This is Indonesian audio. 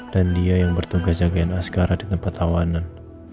dan dia yang bertugas jaga askara di tempat tawanan